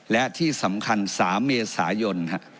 และที่สำคัญ๓เมษายน